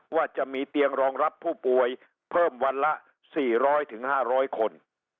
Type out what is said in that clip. ว่าจะมีเตียงรองรับผู้ป่วยเพิ่มวันละ๔๐๐๕๐๐คน